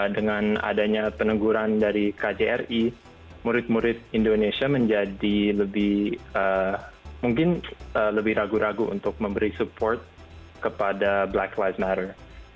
dengan adanya peneguran dari kjri murid murid indonesia menjadi lebih ragu ragu untuk memberi support kepada black lives matter